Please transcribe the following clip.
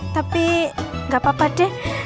tapi nggak apa apa deh